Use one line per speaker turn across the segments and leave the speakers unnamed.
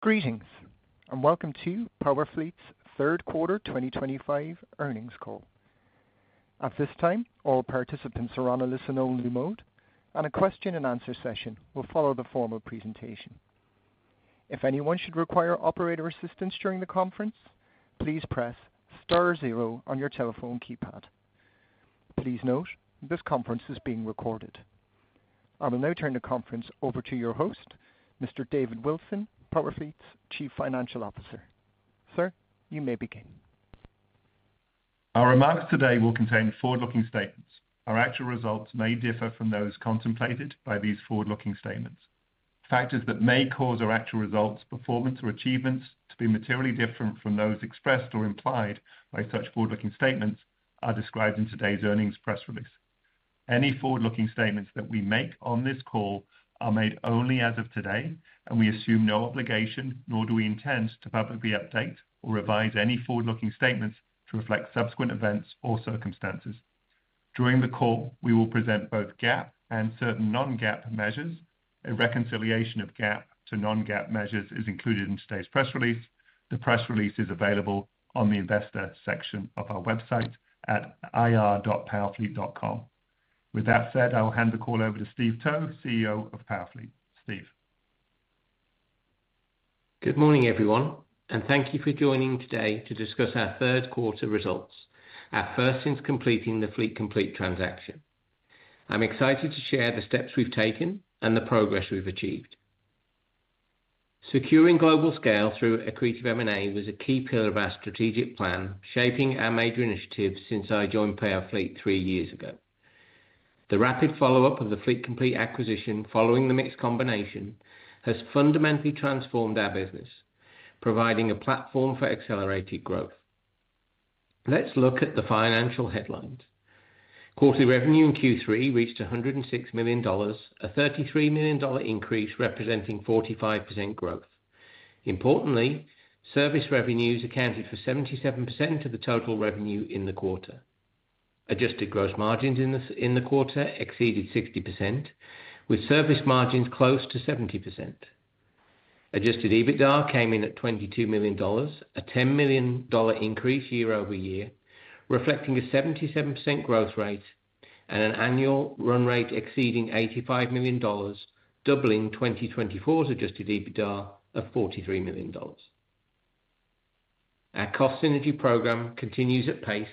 Greetings, and welcome to Powerfleet's third quarter 2025 earnings call. At this time, all participants are on a listen-only mode, and a question-and-answer session will follow the formal presentation. If anyone should require operator assistance during the conference, please press star zero on your telephone keypad. Please note this conference is being recorded. I will now turn the conference over to your host, Mr. David Wilson, Powerfleet's Chief Financial Officer. Sir, you may begin.
Our remarks today will contain forward-looking statements. Our actual results may differ from those contemplated by these forward-looking statements. Factors that may cause our actual results, performance, or achievements to be materially different from those expressed or implied by such forward-looking statements are described in today's earnings press release. Any forward-looking statements that we make on this call are made only as of today, and we assume no obligation, nor do we intend to publicly update or revise any forward-looking statements to reflect subsequent events or circumstances. During the call, we will present both GAAP and certain non-GAAP measures. A reconciliation of GAAP to non-GAAP measures is included in today's press release. The press release is available on the investor section of our website at ir.powerfleet.com. With that said, I will hand the call over to Steve Towe, CEO of Powerfleet. Steve.
Good morning, everyone, and thank you for joining today to discuss our third quarter results, our first since completing the Fleet Complete transaction. I'm excited to share the steps we've taken and the progress we've achieved. Securing global scale through accretive M&A was a key pillar of our strategic plan, shaping our major initiatives since I joined Powerfleet three years ago. The rapid follow-up of the Fleet Complete acquisition following the MiX combination has fundamentally transformed our business, providing a platform for accelerated growth. Let's look at the financial headlines. Quarterly revenue in Q3 reached $106 million, a $33 million increase representing 45% growth. Importantly, service revenues accounted for 77% of the total revenue in the quarter. Adjusted gross margins in the quarter exceeded 60%, with service margins close to 70%. Adjusted EBITDA came in at $22 million, a $10 million increase year-over-year, reflecting a 77% growth rate and an annual run rate exceeding $85 million, doubling 2024's adjusted EBITDA of $43 million. Our cost synergy program continues at pace,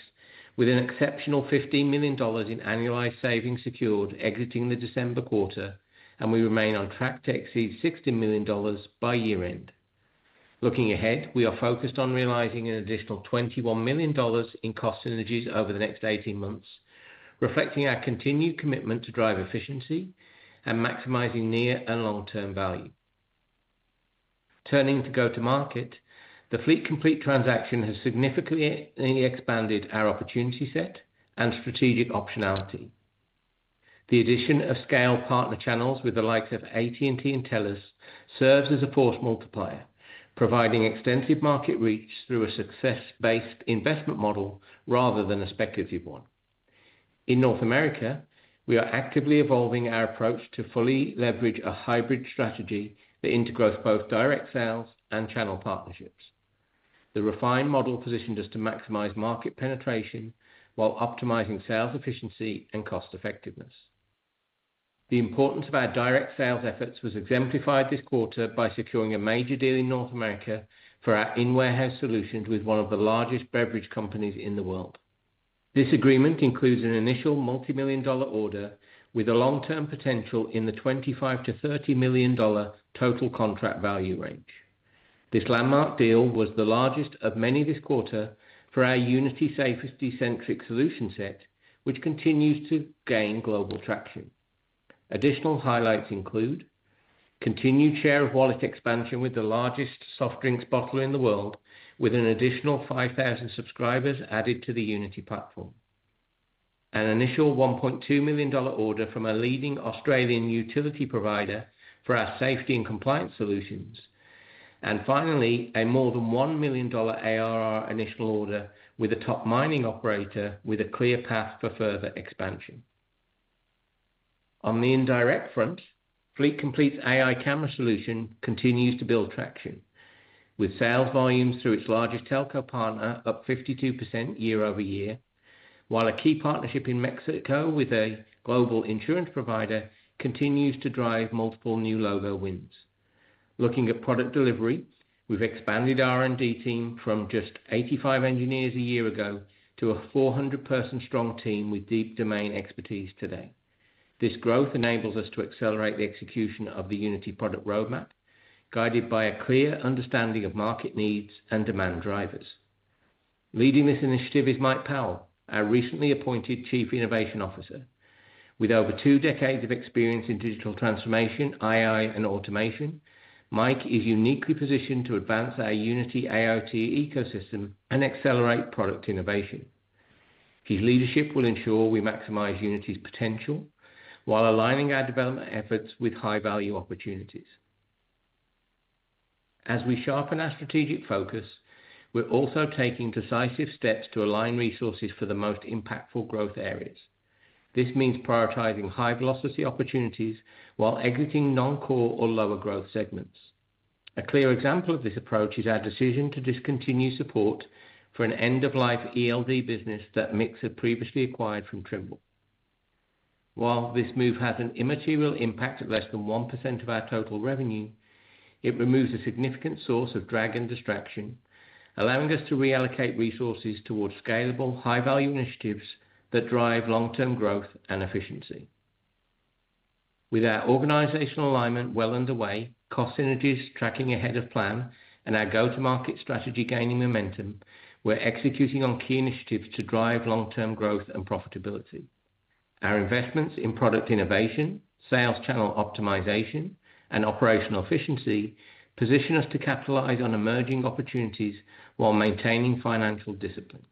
with an exceptional $15 million in annualized savings secured exiting the December quarter, and we remain on track to exceed $60 million by year-end. Looking ahead, we are focused on realizing an additional $21 million in cost synergies over the next 18 months, reflecting our continued commitment to drive efficiency and maximizing near and long-term value. Turning to go-to-market, the Fleet Complete transaction has significantly expanded our opportunity set and strategic optionality. The addition of scale partner channels with the likes of AT&T and TELUS serves as a force multiplier, providing extensive market reach through a success-based investment model rather than a speculative one. In North America, we are actively evolving our approach to fully leverage a hybrid strategy that integrates both direct sales and channel partnerships. The refined model positions us to maximize market penetration while optimizing sales efficiency and cost effectiveness. The importance of our direct sales efforts was exemplified this quarter by securing a major deal in North America for our in-warehouse solutions with one of the largest beverage companies in the world. This agreement includes an initial multi-million dollar order with a long-term potential in the $25-$30 million total contract value range. This landmark deal was the largest of many this quarter for our Unity safety-centric solution set, which continues to gain global traction. Additional highlights include continued share of wallet expansion with the largest soft drinks bottler in the world, with an additional 5,000 subscribers added to the Unity platform, an initial $1.2 million order from a leading Australian utility provider for our safety and compliance solutions, and finally, a more than $1 million ARR initial order with a top mining operator, with a clear path for further expansion. On the indirect front, Fleet Complete's AI camera solution continues to build traction, with sales volumes through its largest telco partner up 52% year-over-year, while a key partnership in Mexico with a global insurance provider continues to drive multiple new logo wins. Looking at product delivery, we've expanded our R&D team from just 85 engineers a year ago to a 400-person strong team with deep domain expertise today. This growth enables us to accelerate the execution of the Unity product roadmap, guided by a clear understanding of market needs and demand drivers. Leading this initiative is Mike Powell, our recently appointed Chief Innovation Officer. With over two decades of experience in digital transformation, IIoT, and automation, Mike is uniquely positioned to advance our Unity AIoT ecosystem and accelerate product innovation. His leadership will ensure we maximize Unity's potential while aligning our development efforts with high-value opportunities. As we sharpen our strategic focus, we're also taking decisive steps to align resources for the most impactful growth areas. This means prioritizing high-velocity opportunities while exiting non-core or lower-growth segments. A clear example of this approach is our decision to discontinue support for an end-of-life ELD business that MiX had previously acquired from Trimble. While this move has an immaterial impact at less than 1% of our total revenue, it removes a significant source of drag and distraction, allowing us to reallocate resources towards scalable, high-value initiatives that drive long-term growth and efficiency. With our organizational alignment well underway, cost synergies, tracking ahead of plan, and our go-to-market strategy gaining momentum, we're executing on key initiatives to drive long-term growth and profitability. Our investments in product innovation, sales channel optimization, and operational efficiency position us to capitalize on emerging opportunities while maintaining financial discipline.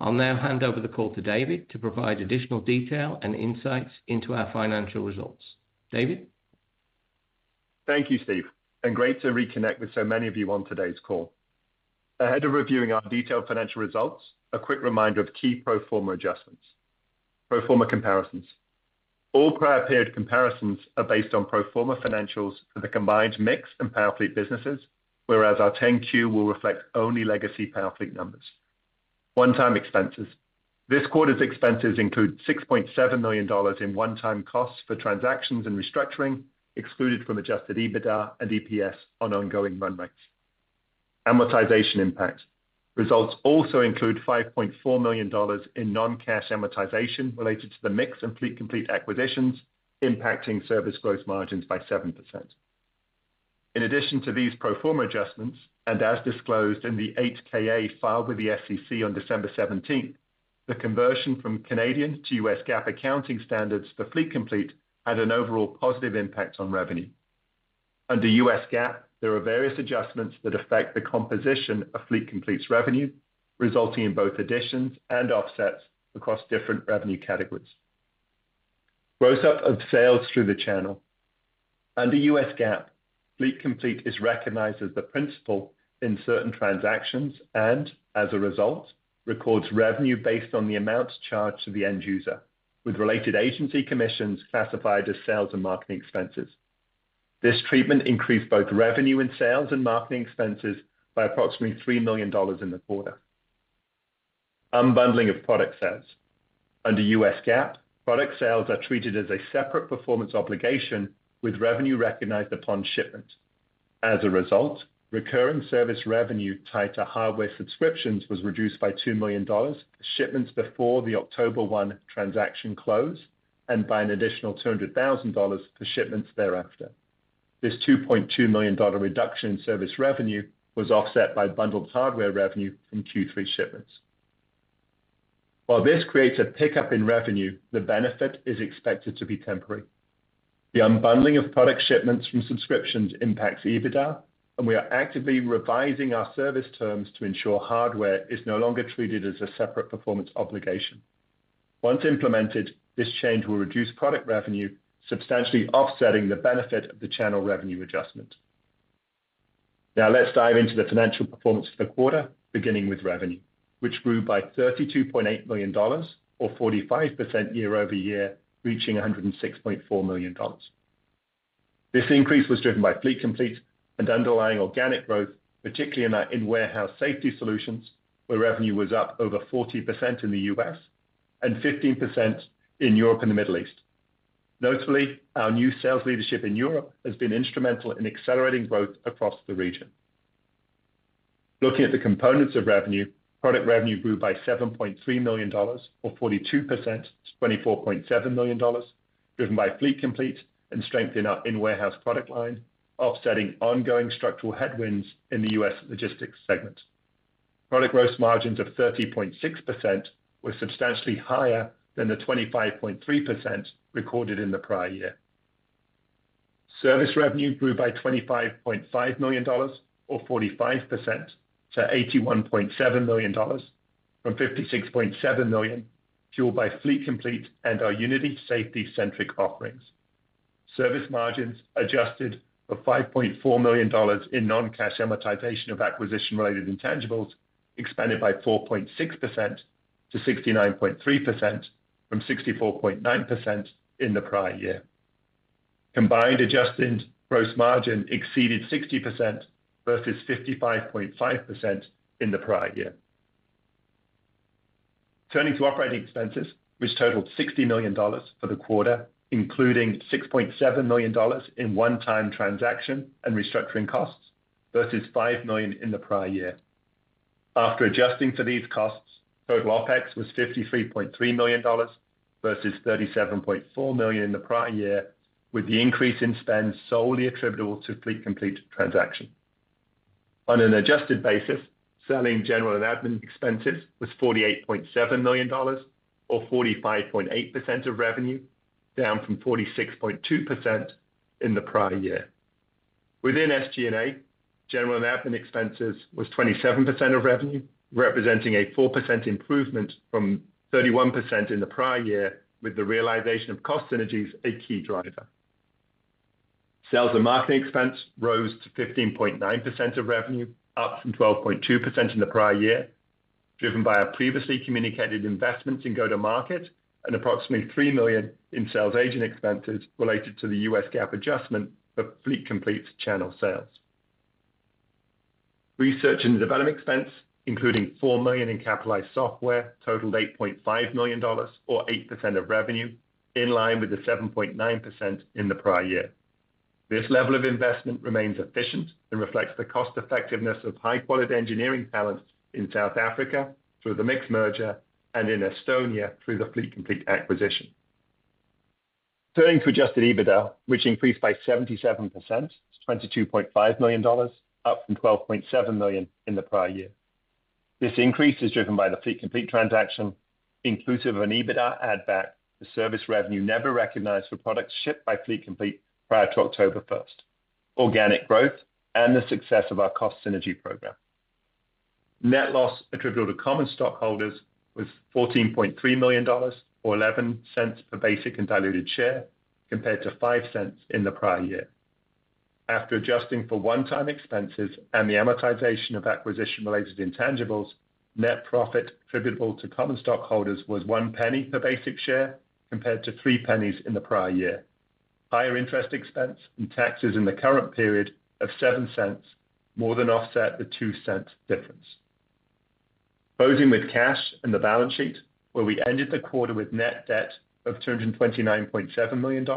I'll now hand over the call to David to provide additional detail and insights into our financial results. David.
Thank you, Steve, and great to reconnect with so many of you on today's call. Ahead of reviewing our detailed financial results, a quick reminder of key pro forma adjustments. Pro forma comparisons: all prior-period comparisons are based on pro forma financials for the combined MiX and Powerfleet businesses, whereas our 10-Q will reflect only legacy Powerfleet numbers. One-time expenses: this quarter's expenses include $6.7 million in one-time costs for transactions and restructuring, excluded from Adjusted EBITDA and EPS on ongoing run rates. Amortization impact: results also include $5.4 million in non-cash amortization related to the MiX and Fleet Complete acquisitions, impacting service gross margins by 7%. In addition to these pro forma adjustments, and as disclosed in the 8-K/A filed with the SEC on December 17, the conversion from Canadian to US GAAP accounting standards for Fleet Complete had an overall positive impact on revenue. Under U.S. GAAP, there are various adjustments that affect the composition of Fleet Complete's revenue, resulting in both additions and offsets across different revenue categories. Gross up of sales through the channel: under U.S. GAAP, Fleet Complete is recognized as the principal in certain transactions and, as a result, records revenue based on the amounts charged to the end user, with related agency commissions classified as sales and marketing expenses. This treatment increased both revenue and sales and marketing expenses by approximately $3 million in the quarter. Unbundling of product sales: under U.S. GAAP, product sales are treated as a separate performance obligation, with revenue recognized upon shipment. As a result, recurring service revenue tied to hardware subscriptions was reduced by $2 million for shipments before the October 1 transaction close and by an additional $200,000 for shipments thereafter. This $2.2 million reduction in service revenue was offset by bundled hardware revenue from Q3 shipments. While this creates a pickup in revenue, the benefit is expected to be temporary. The unbundling of product shipments from subscriptions impacts EBITDA, and we are actively revising our service terms to ensure hardware is no longer treated as a separate performance obligation. Once implemented, this change will reduce product revenue, substantially offsetting the benefit of the channel revenue adjustment. Now, let's dive into the financial performance for the quarter, beginning with revenue, which grew by $32.8 million, or 45% year-over-year, reaching $106.4 million. This increase was driven by Fleet Complete and underlying organic growth, particularly in our in-warehouse safety solutions, where revenue was up over 40% in the U.S. and 15% in Europe and the Middle East. Notably, our new sales leadership in Europe has been instrumental in accelerating growth across the region. Looking at the components of revenue, product revenue grew by $7.3 million, or 42% to $24.7 million, driven by Fleet Complete and strength in our in-warehouse product line, offsetting ongoing structural headwinds in the U.S. logistics segment. Product gross margins of 30.6% were substantially higher than the 25.3% recorded in the prior year. Service revenue grew by $25.5 million, or 45% to $81.7 million, from $56.7 million, fueled by Fleet Complete and our Unity safety-centric offerings. Service margins, adjusted for $5.4 million in non-cash amortization of acquisition-related intangibles, expanded by 4.6% to 69.3% from 64.9% in the prior year. Combined adjusted gross margin exceeded 60% versus 55.5% in the prior year. Turning to operating expenses, which totaled $60 million for the quarter, including $6.7 million in one-time transaction and restructuring costs versus $5 million in the prior year. After adjusting for these costs, total OpEx was $53.3 million versus $37.4 million in the prior year, with the increase in spend solely attributable to Fleet Complete transaction. On an adjusted basis, selling general and admin expenses was $48.7 million, or 45.8% of revenue, down from 46.2% in the prior year. Within SG&A, general and admin expenses was 27% of revenue, representing a 4% improvement from 31% in the prior year, with the realization of cost synergies a key driver. Sales and marketing expense rose to 15.9% of revenue, up from 12.2% in the prior year, driven by our previously communicated investments in go-to-market and approximately $3 million in sales agent expenses related to the US GAAP adjustment for Fleet Complete channel sales. Research and development expense, including $4 million in capitalized software, totaled $8.5 million, or 8% of revenue, in line with the 7.9% in the prior year. This level of investment remains efficient and reflects the cost-effectiveness of high-quality engineering talent in South Africa through the MiX merger and in Estonia through the Fleet Complete acquisition. Turning to Adjusted EBITDA, which increased by 77% to $22.5 million, up from $12.7 million in the prior year. This increase is driven by the Fleet Complete transaction, inclusive of an EBITDA addback for service revenue never recognized for products shipped by Fleet Complete prior to October 1st, organic growth, and the success of our cost synergy program. Net loss attributable to common stockholders was $14.3 million, or $0.11 per basic and diluted share, compared to $0.05 in the prior year. After adjusting for one-time expenses and the amortization of acquisition-related intangibles, net profit attributable to common stockholders was $0.01 per basic share, compared to $0.03 in the prior year. Higher interest expense and taxes in the current period of $0.07 more than offset the $0.02 difference. Closing with cash and the balance sheet, where we ended the quarter with net debt of $229.7 million,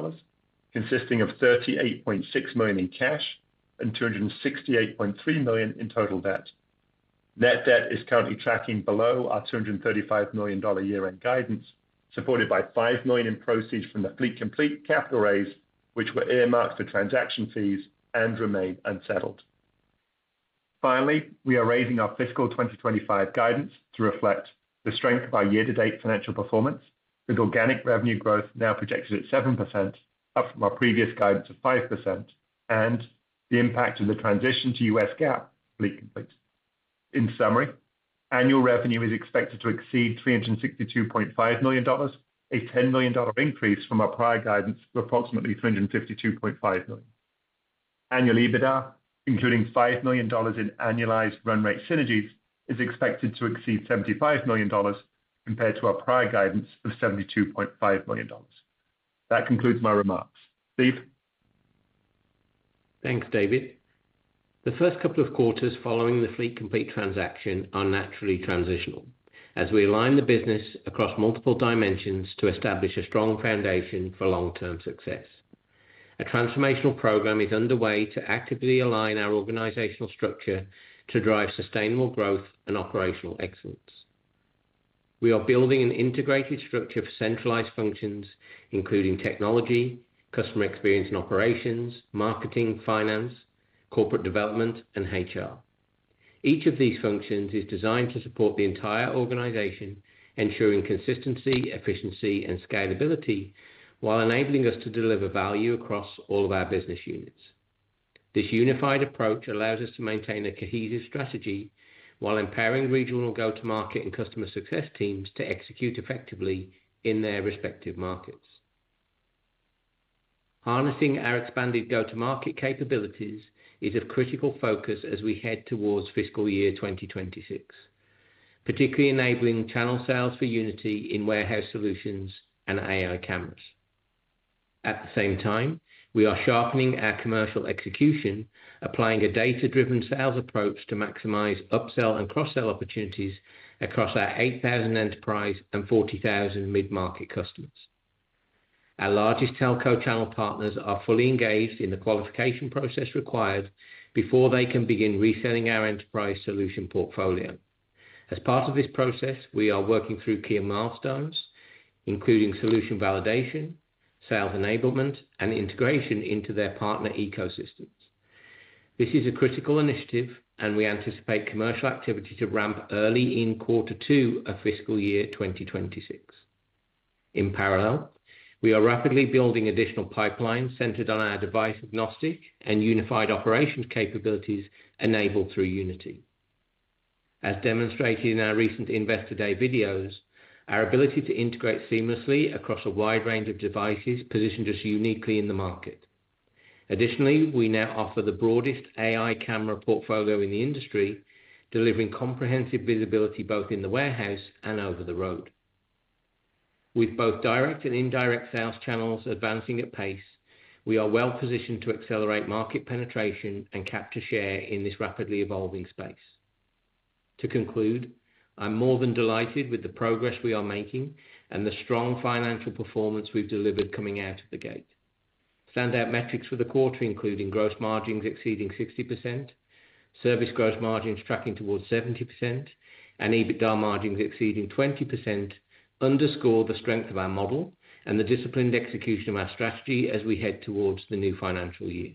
consisting of $38.6 million in cash and $268.3 million in total debt. Net debt is currently tracking below our $235 million year-end guidance, supported by $5 million in proceeds from the Fleet Complete capital raise, which were earmarked for transaction fees and remain unsettled. Finally, we are raising our fiscal 2025 guidance to reflect the strength of our year-to-date financial performance, with organic revenue growth now projected at 7%, up from our previous guidance of 5%, and the impact of the transition to U.S. GAAP Fleet Complete. In summary, annual revenue is expected to exceed $362.5 million, a $10 million increase from our prior guidance of approximately $352.5 million. Annual EBITDA, including $5 million in annualized run rate synergies, is expected to exceed $75 million, compared to our prior guidance of $72.5 million. That concludes my remarks. Steve?
Thanks, David. The first couple of quarters following the Fleet Complete transaction are naturally transitional, as we align the business across multiple dimensions to establish a strong foundation for long-term success. A transformational program is underway to actively align our organizational structure to drive sustainable growth and operational excellence. We are building an integrated structure for centralized functions, including technology, customer experience and operations, marketing, finance, corporate development, and HR. Each of these functions is designed to support the entire organization, ensuring consistency, efficiency, and scalability while enabling us to deliver value across all of our business units. This unified approach allows us to maintain a cohesive strategy while empowering regional go-to-market and customer success teams to execute effectively in their respective markets. Harnessing our expanded go-to-market capabilities is of critical focus as we head towards fiscal year 2026, particularly enabling channel sales for Unity in warehouse solutions and AI cameras. At the same time, we are sharpening our commercial execution, applying a data-driven sales approach to maximize upsell and cross-sell opportunities across our 8,000 enterprise and 40,000 mid-market customers. Our largest telco channel partners are fully engaged in the qualification process required before they can begin reselling our enterprise solution portfolio. As part of this process, we are working through key milestones, including solution validation, sales enablement, and integration into their partner ecosystems. This is a critical initiative, and we anticipate commercial activity to ramp early in quarter two of fiscal year 2026. In parallel, we are rapidly building additional pipelines centered on our device-agnostic and unified operations capabilities enabled through Unity. As demonstrated in our recent Investor Day videos, our ability to integrate seamlessly across a wide range of devices positions us uniquely in the market. Additionally, we now offer the broadest AI camera portfolio in the industry, delivering comprehensive visibility both in the warehouse and over the road. With both direct and indirect sales channels advancing at pace, we are well positioned to accelerate market penetration and capture share in this rapidly evolving space. To conclude, I'm more than delighted with the progress we are making and the strong financial performance we've delivered coming out of the gate. Standout metrics for the quarter, including gross margins exceeding 60%, service gross margins tracking towards 70%, and EBITDA margins exceeding 20%, underscore the strength of our model and the disciplined execution of our strategy as we head towards the new financial year.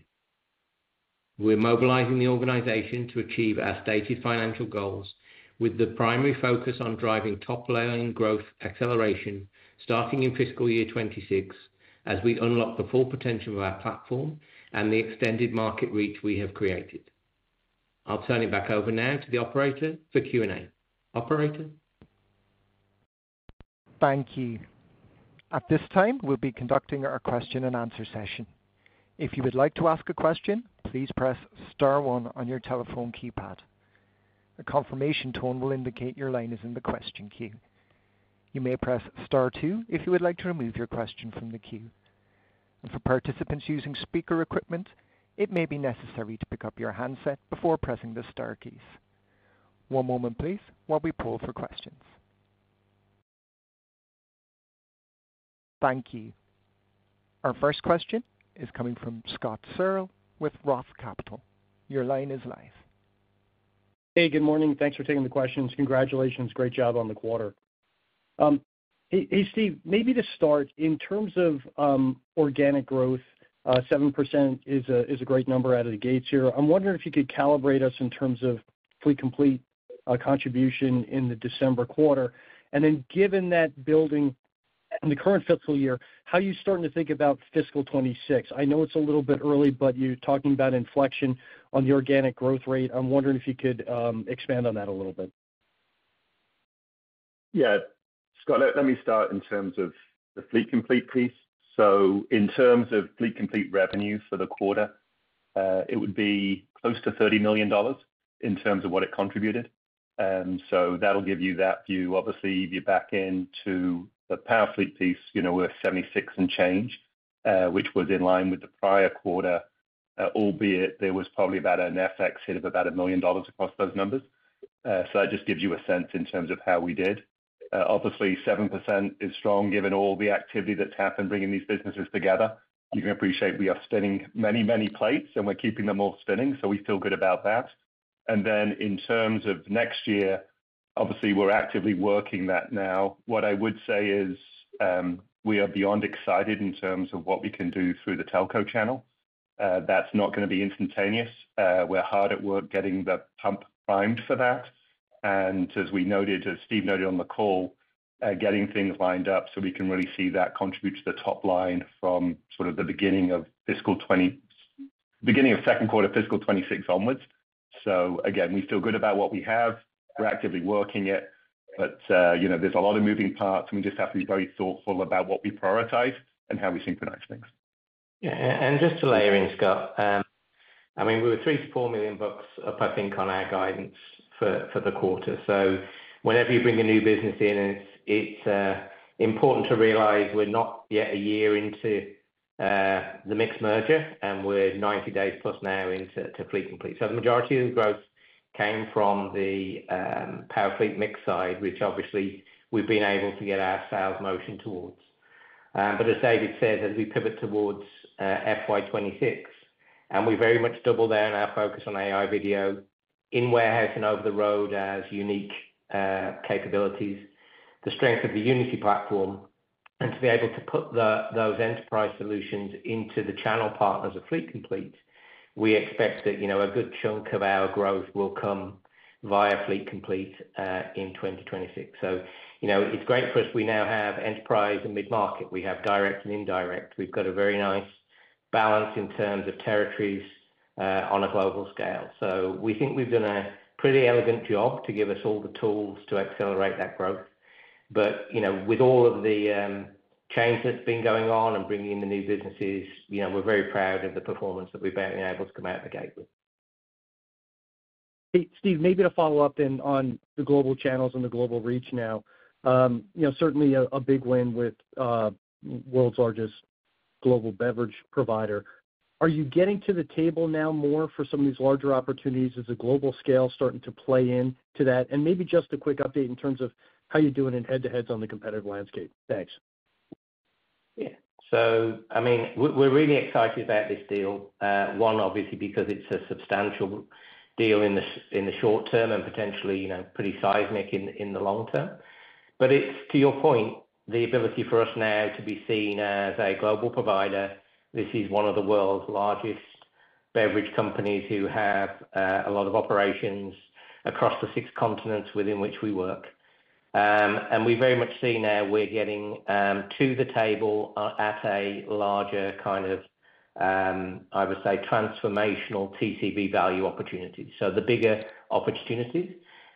We're mobilizing the organization to achieve our stated financial goals, with the primary focus on driving top-layering growth acceleration starting in fiscal year 2026, as we unlock the full potential of our platform and the extended market reach we have created. I'll turn it back over now to the operator for Q&A. Operator?
Thank you. At this time, we'll be conducting our question-and-answer session. If you would like to ask a question, please press star one on your telephone keypad. A confirmation tone will indicate your line is in the question queue. You may press star two if you would like to remove your question from the queue. And for participants using speaker equipment, it may be necessary to pick up your handset before pressing the star keys. One moment, please, while we poll for questions. Thank you. Our first question is coming from Scott Searle with ROTH Capital. Your line is live.
Hey, good morning. Thanks for taking the questions. Congratulations. Great job on the quarter. Hey, Steve, maybe to start, in terms of organic growth, 7% is a great number out of the gates here. I'm wondering if you could calibrate us in terms of Fleet Complete contribution in the December quarter. And then, given that building in the current fiscal year, how are you starting to think about fiscal 2026? I know it's a little bit early, but you're talking about inflection on the organic growth rate. I'm wondering if you could expand on that a little bit.
Yeah. Scott, let me start in terms of the Fleet Complete piece. So in terms of Fleet Complete revenue for the quarter, it would be close to $30 million in terms of what it contributed. So that'll give you that view. Obviously, if you back into the Powerfleet piece, we're 76 and change, which was in line with the prior quarter, albeit there was probably about an FX hit of about $1 million across those numbers. So that just gives you a sense in terms of how we did. Obviously, 7% is strong given all the activity that's happened bringing these businesses together. You can appreciate we are spinning many, many plates, and we're keeping them all spinning, so we feel good about that. And then, in terms of next year, obviously, we're actively working that now. What I would say is we are beyond excited in terms of what we can do through the telco channel. That's not going to be instantaneous. We're hard at work getting the pump primed for that. And as we noted, as Steve noted on the call, getting things lined up so we can really see that contribute to the top line from sort of the beginning of fiscal 2025, beginning of second quarter, fiscal 2026 onwards. So again, we feel good about what we have. We're actively working it, but there's a lot of moving parts, and we just have to be very thoughtful about what we prioritize and how we synchronize things.
Yeah. Just to layer in, Scott, I mean, we were $3-$4 million up, I think, on our guidance for the quarter. So whenever you bring a new business in, it's important to realize we're not yet a year into the MiX merger, and we're 90 days plus now into Fleet Complete. So the majority of the growth came from the Powerfleet MiX side, which obviously we've been able to get our sales motion towards. But as David said, as we pivot towards FY26, and we very much double down our focus on AI video in warehouse and over the road as unique capabilities, the strength of the Unity platform, and to be able to put those enterprise solutions into the channel partners of Fleet Complete, we expect that a good chunk of our growth will come via Fleet Complete in 2026. So it's great for us. We now have enterprise and mid-market. We have direct and indirect. We've got a very nice balance in terms of territories on a global scale. So we think we've done a pretty elegant job to give us all the tools to accelerate that growth. But with all of the change that's been going on and bringing in the new businesses, we're very proud of the performance that we've been able to come out of the gate with.
Hey, Steve, maybe to follow up on the global channels and the global reach now, certainly a big win with the world's largest global beverage provider. Are you getting to the table now more for some of these larger opportunities as the global scale is starting to play into that? And maybe just a quick update in terms of how you're doing in head-to-heads on the competitive landscape. Thanks.
Yeah. So I mean, we're really excited about this deal, one, obviously, because it's a substantial deal in the short term and potentially pretty seismic in the long term, but it's, to your point, the ability for us now to be seen as a global provider. This is one of the world's largest beverage companies who have a lot of operations across the six continents within which we work, and we've very much seen now we're getting to the table at a larger kind of, I would say, transformational TCV value opportunity, so the bigger opportunities,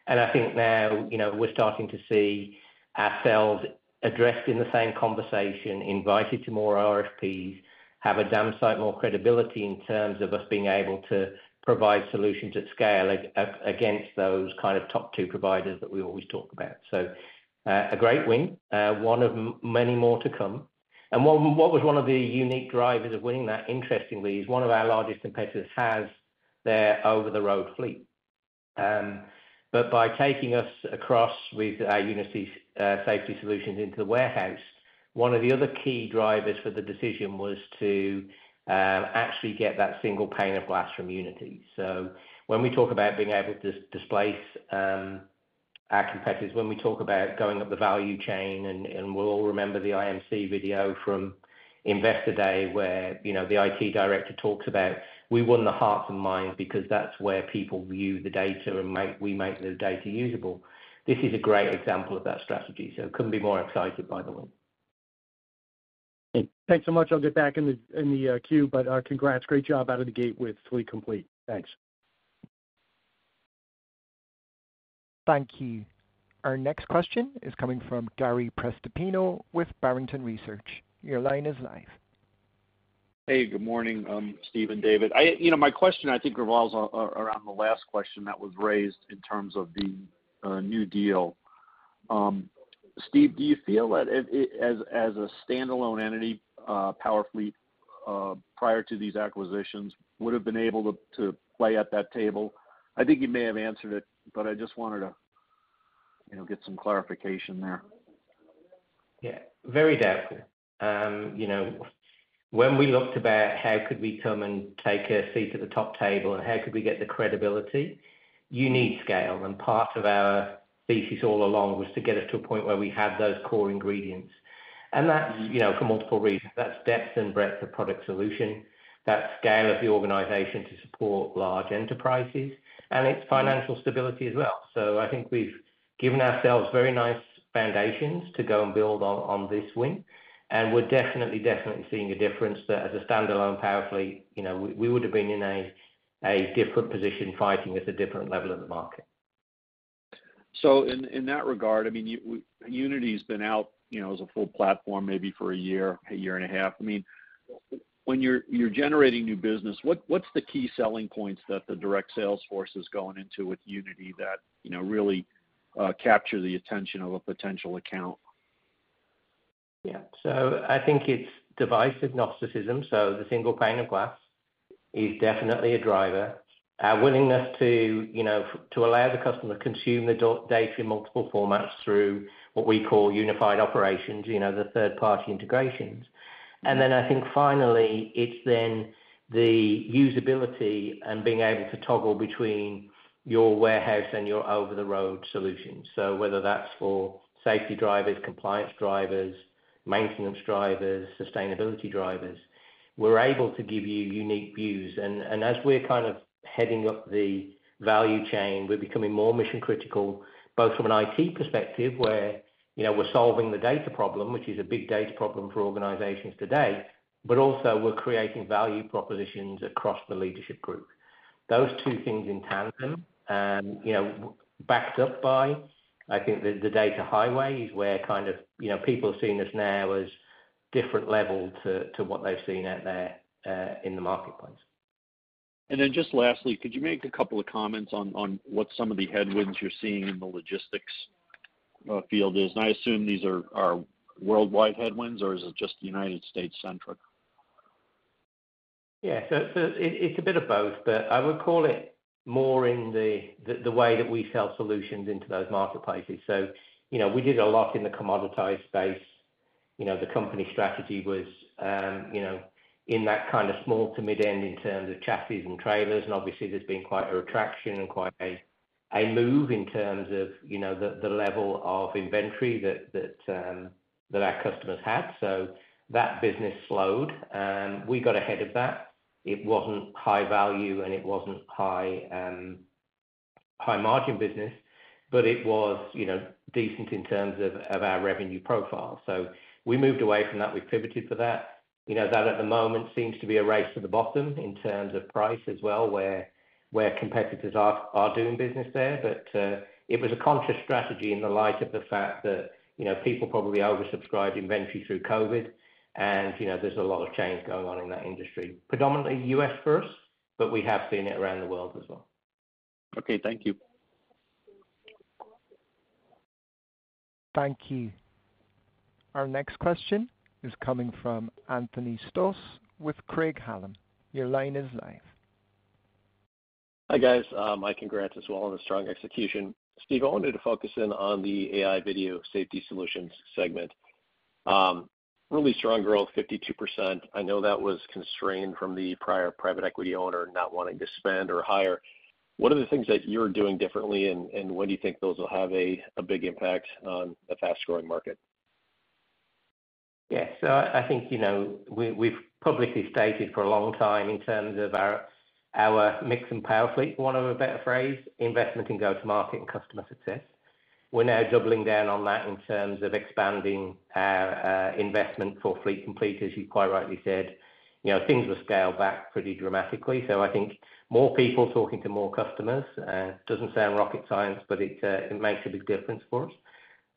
and I think now we're starting to see ourselves addressed in the same conversation, invited to more RFPs, have a damn sight more credibility in terms of us being able to provide solutions at scale against those kind of top two providers that we always talk about. So a great win, one of many more to come. And what was one of the unique drivers of winning that, interestingly, is one of our largest competitors has their over-the-road fleet. But by taking us across with our Unity safety solutions into the warehouse, one of the other key drivers for the decision was to actually get that single pane of glass from Unity. So when we talk about being able to displace our competitors, when we talk about going up the value chain, and we'll all remember the IMC video from Investor Day where the IT director talks about, "We won the hearts and minds because that's where people view the data, and we make the data usable." This is a great example of that strategy. So couldn't be more excited, by the way.
Thanks so much. I'll get back in the queue, but congrats. Great job out of the gate with Fleet Complete. Thanks.
Thank you. Our next question is coming from Gary Prestopino with Barrington Research. Your line is live.
Hey, good morning, Steve and David. My question, I think, revolves around the last question that was raised in terms of the new deal. Steve, do you feel that as a standalone entity, Powerfleet, prior to these acquisitions, would have been able to play at that table? I think you may have answered it, but I just wanted to get some clarification there.
Yeah. Very doubtful. When we looked about how could we come and take a seat at the top table and how could we get the credibility, you need scale. And part of our thesis all along was to get us to a point where we had those core ingredients. And that's for multiple reasons. That's depth and breadth of product solution. That's scale of the organization to support large enterprises. And it's financial stability as well. So I think we've given ourselves very nice foundations to go and build on this win. And we're definitely, definitely seeing a difference that as a standalone Powerfleet, we would have been in a different position fighting at a different level of the market.
So in that regard, I mean, Unity has been out as a full platform maybe for a year, a year and a half. I mean, when you're generating new business, what's the key selling points that the direct sales force is going into with Unity that really capture the attention of a potential account?
Yeah. So I think it's device agnosticism. So the single pane of glass is definitely a driver. Our willingness to allow the customer to consume the data in multiple formats through what we call unified operations, the third-party integrations. And then I think finally, it's then the usability and being able to toggle between your warehouse and your over-the-road solutions. So whether that's for safety drivers, compliance drivers, maintenance drivers, sustainability drivers, we're able to give you unique views. And as we're kind of heading up the value chain, we're becoming more mission-critical, both from an IT perspective where we're solving the data problem, which is a big data problem for organizations today, but also we're creating value propositions across the leadership group. Those two things in tandem, backed up by, I think, the data highway is where kind of people are seeing us now as different level to what they've seen out there in the marketplace.
And then just lastly, could you make a couple of comments on what some of the headwinds you're seeing in the logistics field is? And I assume these are worldwide headwinds, or is it just United States-centric?
Yeah, so it's a bit of both, but I would call it more in the way that we sell solutions into those marketplaces. So we did a lot in the commoditized space. The company strategy was in that kind of small to mid-end in terms of chassis and trailers, and obviously, there's been quite a retraction and quite a move in terms of the level of inventory that our customers had, so that business slowed. We got ahead of that. It wasn't high value, and it wasn't high margin business, but it was decent in terms of our revenue profile, so we moved away from that. We pivoted for that. That at the moment seems to be a race to the bottom in terms of price as well, where competitors are doing business there. But it was a conscious strategy in the light of the fact that people probably oversubscribed inventory through COVID, and there's a lot of change going on in that industry, predominantly U.S. first, but we have seen it around the world as well.
Okay. Thank you.
Thank you. Our next question is coming from Anthony Stoss with Craig-Hallum. Your line is live.
Hi guys. My congrats as well on the strong execution. Steve, I wanted to focus in on the AI video safety solutions segment. Really strong growth, 52%. I know that was constrained from the prior private equity owner not wanting to spend or hire. What are the things that you're doing differently, and when do you think those will have a big impact on a fast-growing market?
Yeah. So I think we've publicly stated for a long time in terms of our MiX and Powerfleet, one of a better phrase, investment in go-to-market and customer success. We're now doubling down on that in terms of expanding our investment for Fleet Complete, as you quite rightly said. Things were scaled back pretty dramatically. So I think more people talking to more customers. It doesn't sound rocket science, but it makes a big difference for us.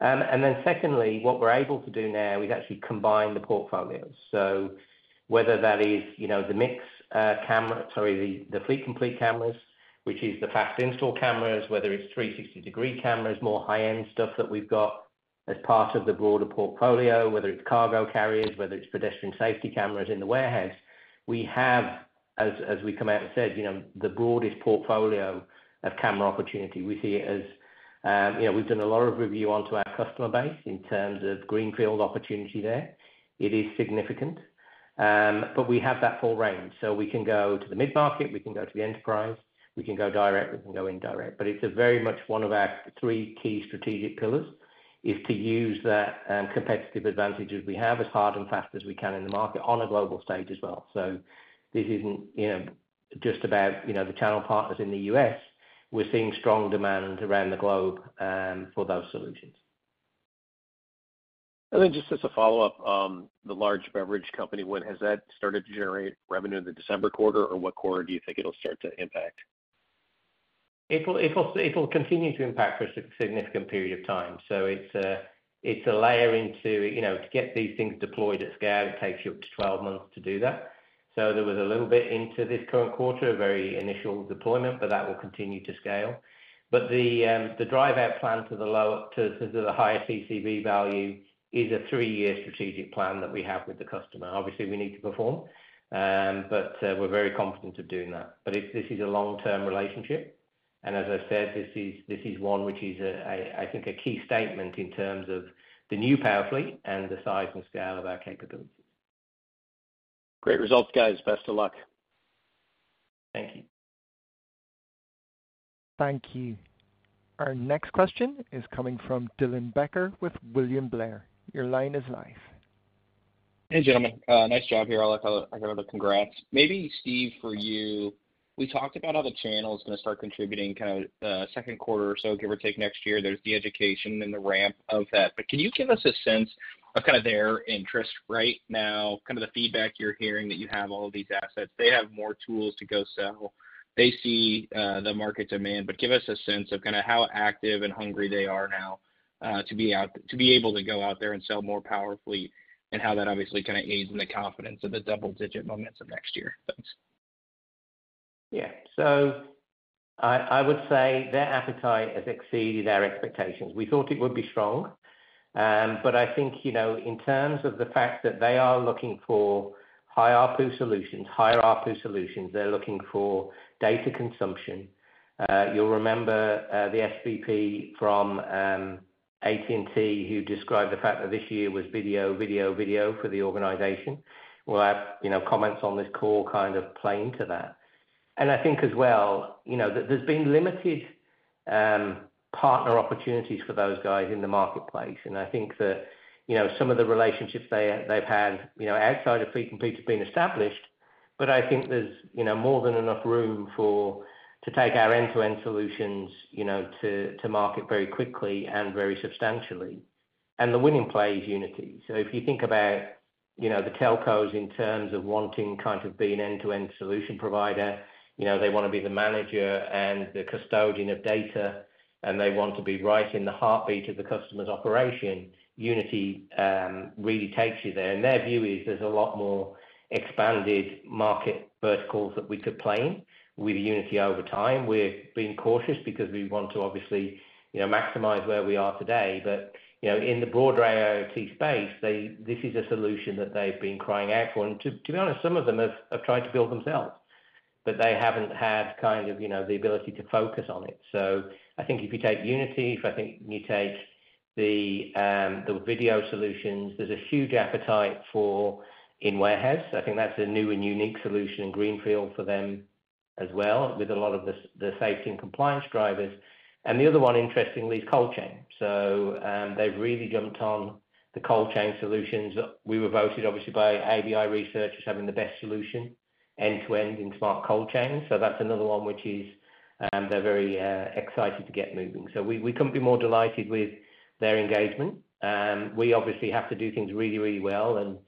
And then secondly, what we're able to do now is actually combine the portfolios. So whether that is the MiX camera, sorry, the Fleet Complete cameras, which is the fast install cameras, whether it's 360-degree cameras, more high-end stuff that we've got as part of the broader portfolio, whether it's cargo carriers, whether it's pedestrian safety cameras in the warehouse. We have, as we come out and said, the broadest portfolio of camera opportunity. We see it as we've done a lot of review into our customer base in terms of greenfield opportunity there. It is significant, but we have that full range. So we can go to the mid-market, we can go to the enterprise, we can go direct, we can go indirect. But it's very much one of our three key strategic pillars is to use that competitive advantage as we have as hard and fast as we can in the market on a global stage as well. So this isn't just about the channel partners in the U.S. We're seeing strong demand around the globe for those solutions.
Just as a follow-up, the large beverage company, when has that started to generate revenue in the December quarter, or what quarter do you think it'll start to impact?
It'll continue to impact for a significant period of time. So it's a lead time to get these things deployed at scale. It takes you up to 12 months to do that. So there was a little bit into this current quarter, a very initial deployment, but that will continue to scale. But the drive-out plan to the higher CCV value is a three-year strategic plan that we have with the customer. Obviously, we need to perform, but we're very confident of doing that. But this is a long-term relationship. As I said, this is one which is, I think, a key statement in terms of the new Powerfleet and the size and scale of our capabilities.
Great results, guys. Best of luck.
Thank you.
Thank you. Our next question is coming from Dylan Becker with William Blair. Your line is live.
Hey, gentlemen. Nice job here. I gotta congrats. Maybe, Steve, for you, we talked about how the channel is going to start contributing kind of second quarter or so, give or take next year. There's the education and the ramp of that. But can you give us a sense of kind of their interest right now, kind of the feedback you're hearing that you have all of these assets? They have more tools to go sell. They see the market demand. But give us a sense of kind of how active and hungry they are now to be able to go out there and sell more Powerfleet and how that obviously kind of aids in the confidence of the double-digit momentum next year. Thanks.
Yeah. So I would say their appetite has exceeded our expectations. We thought it would be strong. But I think in terms of the fact that they are looking for high RPU solutions, higher RPU solutions, they're looking for data consumption. You'll remember the SVP from AT&T who described the fact that this year was video, video, video for the organization. We'll have comments on this call kind of playing to that. And I think as well that there's been limited partner opportunities for those guys in the marketplace. And I think that some of the relationships they've had outside of Fleet Complete have been established, but I think there's more than enough room to take our end-to-end solutions to market very quickly and very substantially. And the winning play is Unity. So if you think about the telcos in terms of wanting kind of being end-to-end solution provider, they want to be the manager and the custodian of data, and they want to be right in the heartbeat of the customer's operation. Unity really takes you there. And their view is there's a lot more expanded market verticals that we could play in with Unity over time. We're being cautious because we want to obviously maximize where we are today. But in the broader IoT space, this is a solution that they've been crying out for. And to be honest, some of them have tried to build themselves, but they haven't had kind of the ability to focus on it. So I think if you take Unity, if I think you take the video solutions, there's a huge appetite for in warehouse. I think that's a new and unique solution in greenfield for them as well with a lot of the safety and compliance drivers. And the other one, interestingly, is cold chain. So they've really jumped on the cold chain solutions. We were voted, obviously, by ABI Research as having the best solution end-to-end in smart cold chain. So that's another one which they're very excited to get moving. So we couldn't be more delighted with their engagement. We obviously have to do things really, really well. And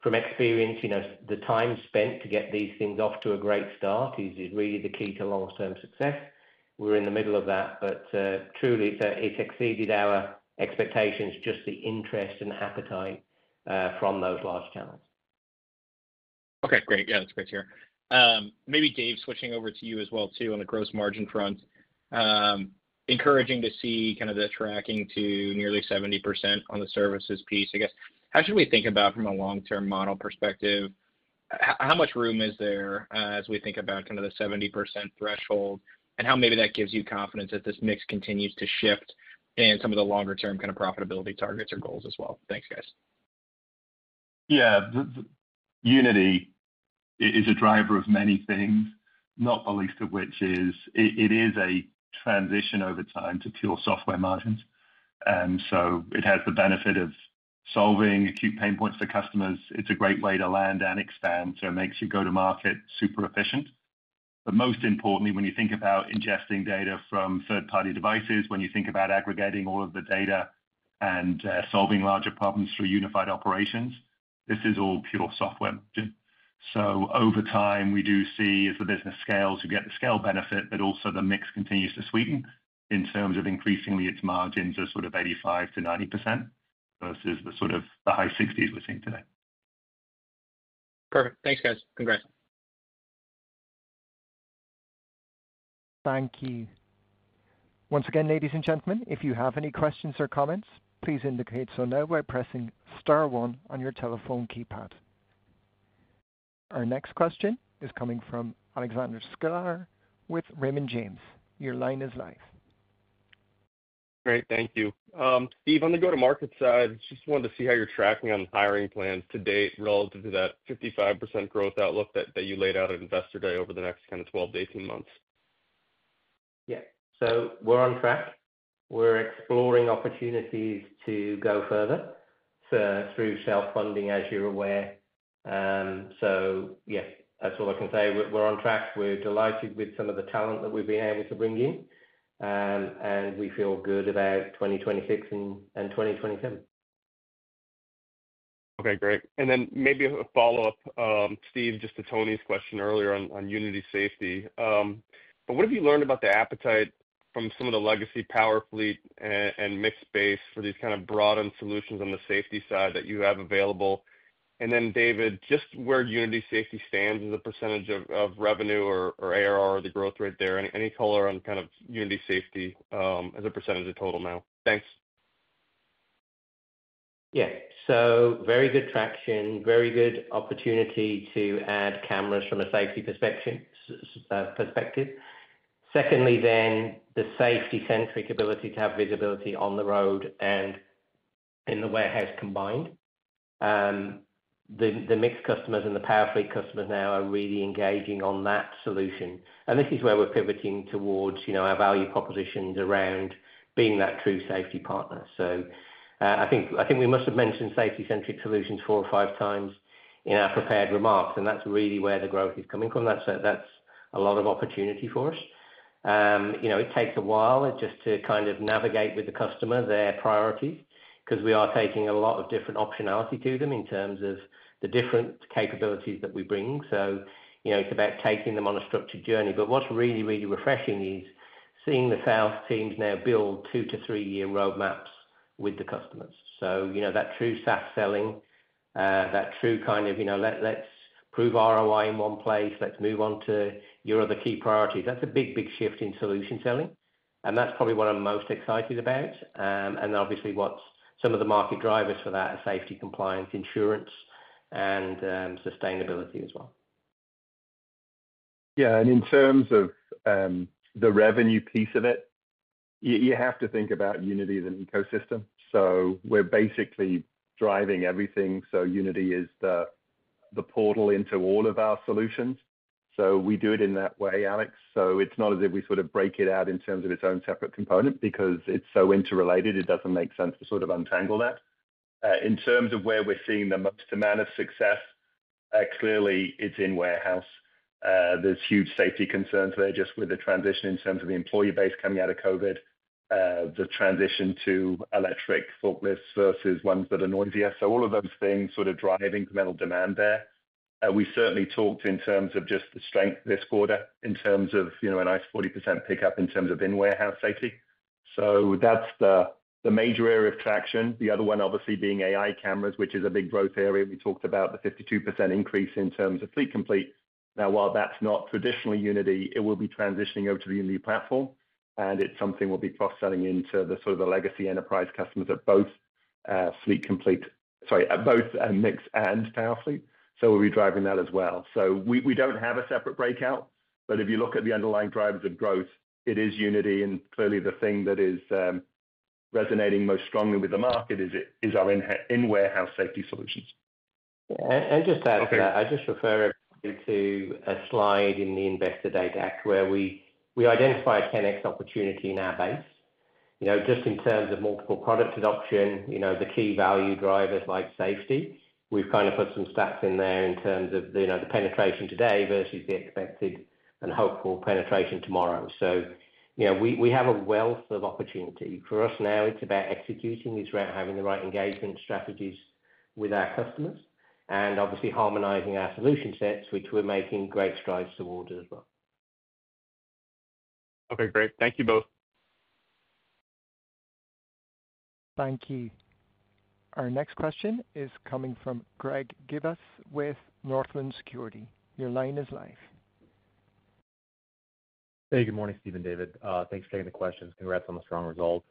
from experience, the time spent to get these things off to a great start is really the key to long-term success. We're in the middle of that, but truly, it's exceeded our expectations, just the interest and appetite from those large channels.
Okay. Great. Yeah. That's great to hear. Maybe Dave, switching over to you as well too on the gross margin front, encouraging to see kind of the tracking to nearly 70% on the services piece. I guess, how should we think about from a long-term model perspective? How much room is there as we think about kind of the 70% threshold and how maybe that gives you confidence that this MiX continues to shift in some of the longer-term kind of profitability targets or goals as well? Thanks, guys.
Yeah. Unity is a driver of many things, not the least of which is it is a transition over time to pure software margins. And so it has the benefit of solving acute pain points for customers. It's a great way to land and expand. So it makes your go-to-market super efficient. But most importantly, when you think about ingesting data from third-party devices, when you think about aggregating all of the data and solving larger problems through Unified Operations, this is all pure software. So over time, we do see as the business scales, you get the scale benefit, but also the MiX continues to sweeten in terms of increasingly its margins are sort of 85%-90% versus the sort of the high 60s% we're seeing today.
Perfect. Thanks, guys. Congrats.
Thank you. Once again, ladies and gentlemen, if you have any questions or comments, please indicate so now by pressing star one on your telephone keypad. Our next question is coming from Alexander Sklar with Raymond James. Your line is live.
Great. Thank you. Steve, on the go-to-market side, just wanted to see how you're tracking on hiring plans to date relative to that 55% growth outlook that you laid out at Investor Day over the next kind of 12-18 months.
Yeah. So we're on track. We're exploring opportunities to go further through self-funding, as you're aware. So yeah, that's all I can say. We're on track. We're delighted with some of the talent that we've been able to bring in, and we feel good about 2026 and 2027.
Okay. Great. And then maybe a follow-up, Steve, just to Tony's question earlier on Unity safety. But what have you learned about the appetite from some of the legacy Powerfleet and MiX base for these kind of broadened solutions on the safety side that you have available? And then David, just where Unity safety stands as a percentage of revenue or ARR or the growth rate there, any color on kind of Unity safety as a percentage of total now? Thanks.
Yeah. So very good traction, very good opportunity to add cameras from a safety perspective. Secondly, then the safety-centric ability to have visibility on the road and in the warehouse combined. The MiX customers and the Powerfleet customers now are really engaging on that solution. And this is where we're pivoting towards our value propositions around being that true safety partner. So I think we must have mentioned safety-centric solutions four or five times in our prepared remarks, and that's really where the growth is coming from. That's a lot of opportunity for us. It takes a while just to kind of navigate with the customer their priorities because we are taking a lot of different optionality to them in terms of the different capabilities that we bring. So it's about taking them on a structured journey. But what's really, really refreshing is seeing the South teams now build two- to three-year roadmaps with the customers. So that true SaaS selling, that true kind of, "Let's prove ROI in one place. Let's move on to your other key priorities." That's a big, big shift in solution selling, and that's probably what I'm most excited about. And obviously, some of the market drivers for that are safety, compliance, insurance, and sustainability as well.
Yeah. And in terms of the revenue piece of it, you have to think about Unity as an ecosystem. So we're basically driving everything. So Unity is the portal into all of our solutions. So we do it in that way, Alex. So it's not as if we sort of break it out in terms of its own separate component because it's so interrelated. It doesn't make sense to sort of untangle that. In terms of where we're seeing the most amount of success, clearly, it's in warehouse. There's huge safety concerns there just with the transition in terms of the employee base coming out of COVID, the transition to electric forklifts versus ones that are noisier. So all of those things sort of drive incremental demand there. We certainly talked in terms of just the strength this quarter in terms of a nice 40% pickup in terms of in-warehouse safety. That's the major area of traction. The other one, obviously, being AI cameras, which is a big growth area. We talked about the 52% increase in terms of Fleet Complete. Now, while that's not traditionally Unity, it will be transitioning over to the Unity platform, and it's something we'll be cross-selling into the sort of the legacy enterprise customers at both Fleet Complete sorry, at both MiX and Powerfleet. We'll be driving that as well. We don't have a separate breakout, but if you look at the underlying drivers of growth, it is Unity. Clearly, the thing that is resonating most strongly with the market is our in-warehouse safety solutions.
Yeah. And just that, I just refer to a slide in the Investor Day deck where we identify a 10X opportunity in our base. Just in terms of multiple product adoption, the key value drivers like safety, we've kind of put some stats in there in terms of the penetration today versus the expected and hopeful penetration tomorrow. So we have a wealth of opportunity. For us now, it's about execution, which we are having the right engagement strategies with our customers, and obviously harmonizing our solution sets, which we're making great strides towards as well.
Okay. Great. Thank you both.
Thank you. Our next question is coming from Greg Gibas with Northland Securities. Your line is live.
Hey, good morning, Steve and David. Thanks for taking the questions. Congrats on the strong results.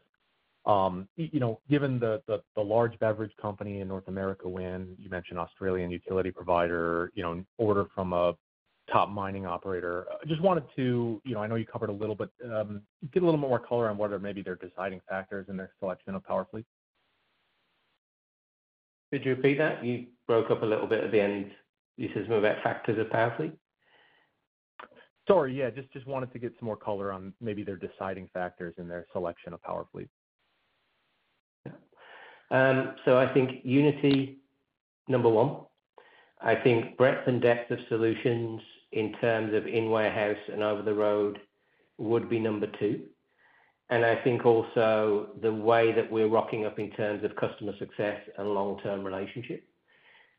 Given the large beverage company in North America win, you mentioned Australian utility provider order from a top mining operator. I just wanted to, I know you covered a little, but get a little more color on whether maybe they're deciding factors in their selection of Powerfleet.
Could you repeat that? You broke up a little bit at the end. You said some of the factors of Powerfleet?
Sorry. Yeah. Just wanted to get some more color on maybe the deciding factors in their selection of Powerfleet.
So, I think Unity number one. I think breadth and depth of solutions in terms of in-warehouse and over the road would be number two. And I think also the way that we're rocking up in terms of customer success and long-term relationship.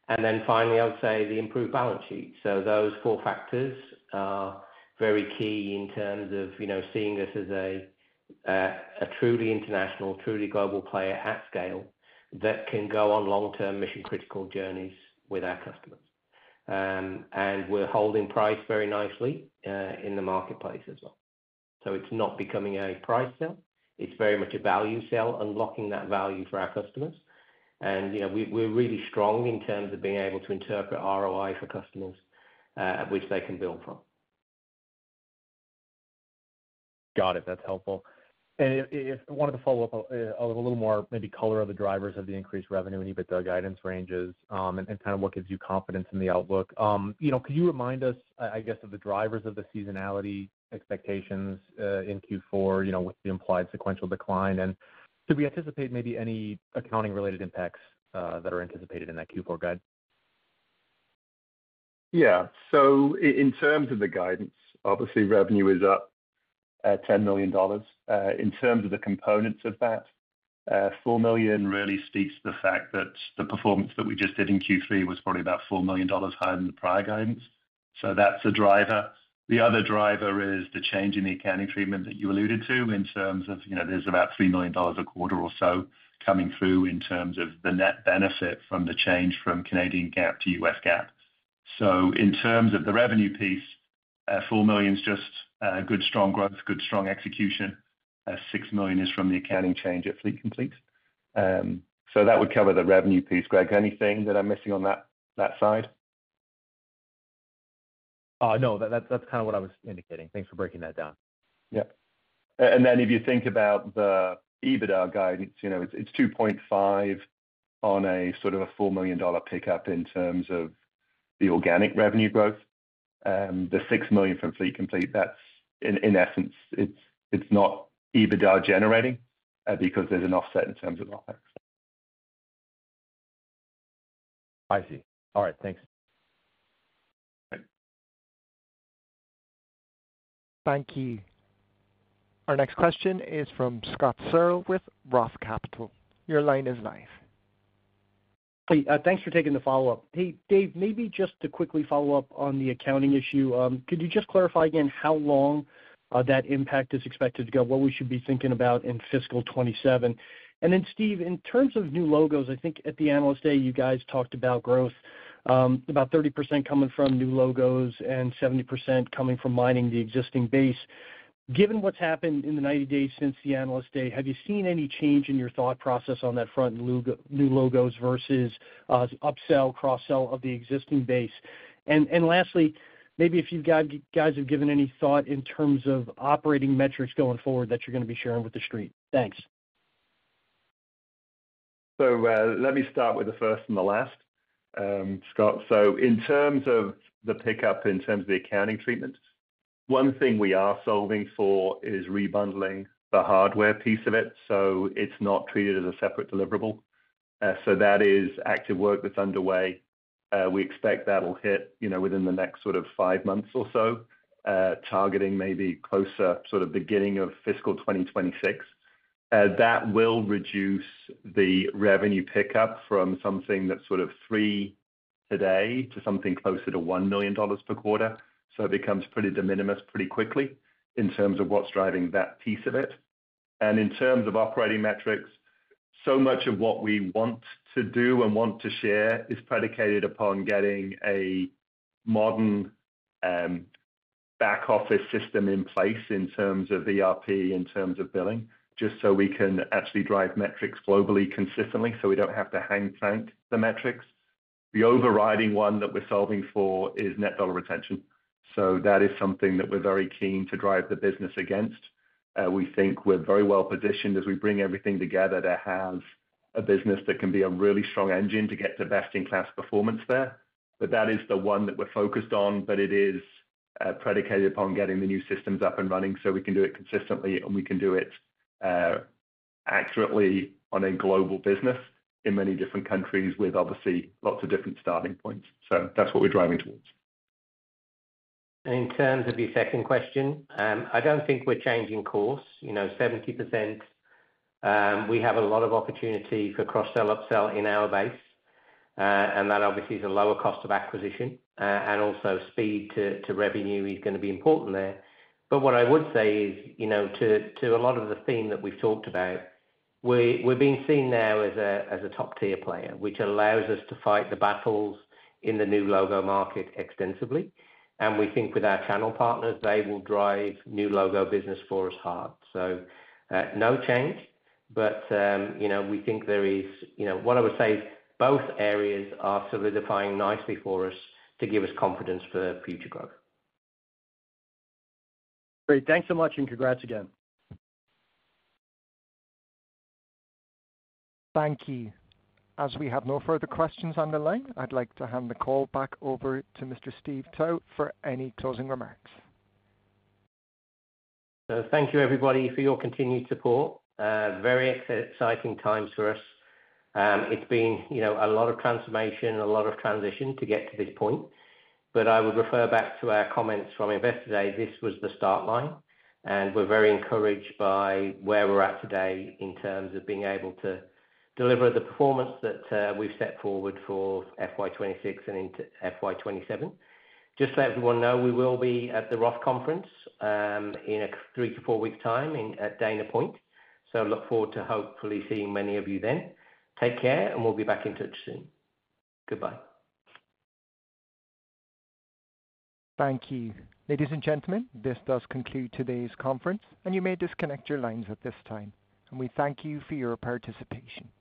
And then finally, I would say the improved balance sheet. So those four factors are very key in terms of seeing us as a truly international, truly global player at scale that can go on long-term mission-critical journeys with our customers. And we're holding price very nicely in the marketplace as well. So it's not becoming a price sale. It's very much a value sale, unlocking that value for our customers. And we're really strong in terms of being able to interpret ROI for customers, which they can build from.
Got it. That's helpful. And one of the follow-up, a little more maybe color of the drivers of the increased revenue and even the guidance ranges and kind of what gives you confidence in the outlook. Could you remind us, I guess, of the drivers of the seasonality expectations in Q4 with the implied sequential decline? And could we anticipate maybe any accounting-related impacts that are anticipated in that Q4 guide?
Yeah. So in terms of the guidance, obviously, revenue is up at $10 million. In terms of the components of that, $4 million really speaks to the fact that the performance that we just did in Q3 was probably about $4 million higher than the prior guidance. So that's a driver. The other driver is the change in the accounting treatment that you alluded to in terms of there's about $3 million a quarter or so coming through in terms of the net benefit from the change from Canadian GAAP to US GAAP. So in terms of the revenue piece, $4 million is just good, strong growth, good, strong execution. $6 million is from the accounting change at Fleet Complete. So that would cover the revenue piece. Greg, anything that I'm missing on that side?
No, that's kind of what I was indicating. Thanks for breaking that down.
Yeah. And then if you think about the EBITDA guidance, it's $2.5 million on a sort of a $4 million pickup in terms of the organic revenue growth. The $6 million from Fleet Complete, in essence, it's not EBITDA generating because there's an offset in terms of OpEx.
I see. All right. Thanks.
Thank you. Our next question is from Scott Searle with Roth Capital. Your line is live.
Thanks for taking the follow-up. Hey, Dave, maybe just to quickly follow up on the accounting issue, could you just clarify again how long that impact is expected to go, what we should be thinking about in fiscal 2027? And then, Steve, in terms of new logos, I think at the Analyst Day, you guys talked about growth, about 30% coming from new logos and 70% coming from mining the existing base. Given what's happened in the 90 days since the Analyst Day, have you seen any change in your thought process on that front, new logos versus upsell, cross-sell of the existing base? And lastly, maybe if you guys have given any thought in terms of operating metrics going forward that you're going to be sharing with the street. Thanks.
So let me start with the first and the last, Scott. So in terms of the pickup in terms of the accounting treatments, one thing we are solving for is rebundling the hardware piece of it. So it's not treated as a separate deliverable. So that is active work that's underway. We expect that will hit within the next sort of five months or so, targeting maybe closer sort of beginning of fiscal 2026. That will reduce the revenue pickup from something that's sort of three today to something closer to $1 million per quarter. So it becomes pretty de minimis pretty quickly in terms of what's driving that piece of it. And in terms of operating metrics, so much of what we want to do and want to share is predicated upon getting a modern back-office system in place in terms of ERP, in terms of billing, just so we can actually drive metrics globally consistently, so we don't have to tank the metrics. The overriding one that we're solving for is Net Dollar Retention. So that is something that we're very keen to drive the business against. We think we're very well positioned as we bring everything together to have a business that can be a really strong engine to get the best-in-class performance there. But that is the one that we're focused on, but it is predicated upon getting the new systems up and running so we can do it consistently and we can do it accurately on a global business in many different countries with, obviously, lots of different starting points. So that's what we're driving towards.
In terms of your second question, I don't think we're changing course. 70%. We have a lot of opportunity for cross-sell, upsell in our base. And that obviously is a lower cost of acquisition. And also speed to revenue is going to be important there. But what I would say is to a lot of the theme that we've talked about, we're being seen now as a top-tier player, which allows us to fight the battles in the new logo market extensively. And we think with our channel partners, they will drive new logo business for us hard. So no change, but we think there is what I would say both areas are solidifying nicely for us to give us confidence for future growth.
Great. Thanks so much and congrats again.
Thank you. As we have no further questions on the line, I'd like to hand the call back over to Mr. Steve Towe for any closing remarks.
So thank you, everybody, for your continued support. Very exciting times for us. It's been a lot of transformation, a lot of transition to get to this point. But I would refer back to our comments from Investor Day. This was the start line. And we're very encouraged by where we're at today in terms of being able to deliver the performance that we've set forward for FY26 and FY27. Just to let everyone know, we will be at the ROTH Conference in a three- to four-week time at Dana Point. So look forward to hopefully seeing many of you then. Take care and we'll be back in touch soon. Goodbye.
Thank you. Ladies and gentlemen, this does conclude today's conference, and you may disconnect your lines at this time. We thank you for your participation.